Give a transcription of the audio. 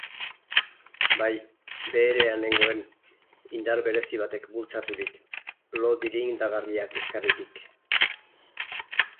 Bai, beherean nengoen, indar berezi batek bultzaturik, lo dilindagarriak ekarririk.